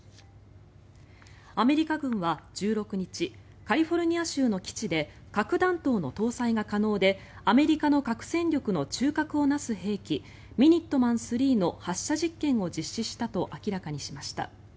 アメリカ軍は１６日カリフォルニア州の基地で核弾頭の搭載が可能でアメリカの核戦力の中核を成す兵器ミニットマン３の発射実験を実施したと明らかにしました。